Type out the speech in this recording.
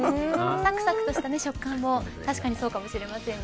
さくさくとした食感も確かにそうかもしれませんね。